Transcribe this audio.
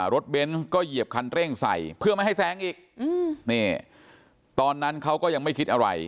เบนส์ก็เหยียบคันเร่งใส่เพื่อไม่ให้แซงอีกตอนนั้นเขาก็ยังไม่คิดอะไร